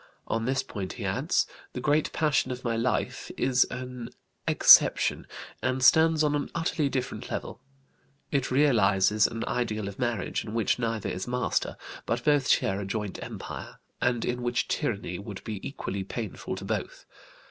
On this point he adds: "The great passion of my life is an exception, and stands on an utterly different level. It realizes an ideal of marriage in which neither is master, but both share a joint empire, and in which tyranny would be equally painful to both.